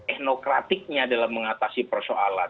etnokratiknya dalam mengatasi persoalan